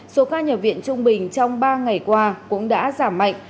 số ca nhập viện trung bình trong ba ngày qua cũng đã giảm mạnh